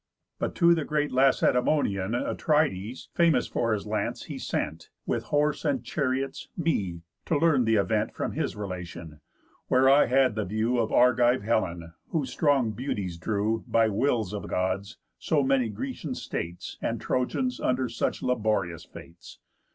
But to the great Lacedæmonian, Atrides, famous for his lance, he sent, With horse and chariots, me, to learn th' event From his relation; where I had the view Of Argive Helen, whose strong beauties drew, By wills of Gods, so many Grecian states, And Trojans, under such laborious fates.